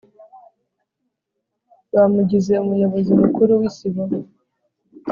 Bamugize umuyobozi mukuru wisibo